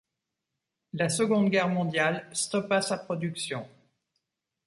La Seconde Guerre mondiale stoppa sa production.